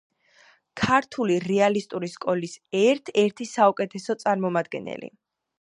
ქართული რეალისტური სკოლის ერთ-ერთი საუკეთესო წარმომადგენელი.